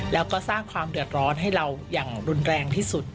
แล้วก็สร้างความเดือดร้อนให้เราอย่างรุนแรงที่สุด